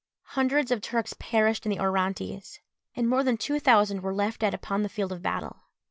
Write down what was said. Hundreds of Turks perished in the Orontes, and more than two thousand were left dead upon the field of battle.